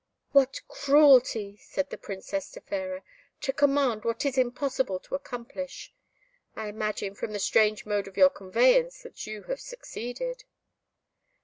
"What cruelty," said the Princess to Fairer, "to command what it is impossible to accomplish! I imagine, from the strange mode of your conveyance, that you have succeeded."